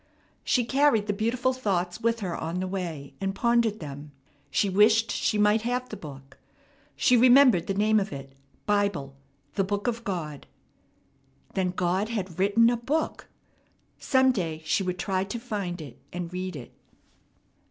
She carried the beautiful thoughts with her on the way, and pondered them. She wished she might have the book. She remembered the name of it, Bible, the Book of God. Then God had written a book! Some day she would try to find it and read it.